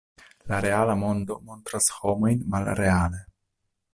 La reala mondo montras homojn malreale.